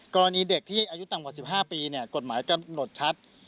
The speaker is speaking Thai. กรณีเด็กที่อายุต่ำกว่า๑๕ปีกฎหมายกำหนดชัด